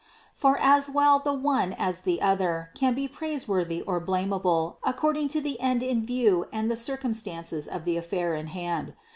For as well the one as the other can be praiseworthy or blamable according to the end in view and the circumstances of the affair in hand.